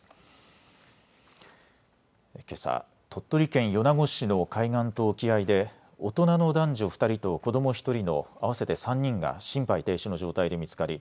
けさ鳥取県米子市の海岸と沖合で大人の男女２人と子ども１人の合わせて３人が心肺停止の状態で見つかり